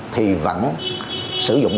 thì vẫn sử dụng